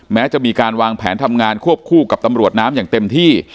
แม้จะมีการวางแผนทำงานควบคู่กับตำรวจน้ำอย่างเต็มที่